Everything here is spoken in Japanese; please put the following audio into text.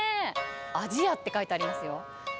鯵家って書いてありますよ。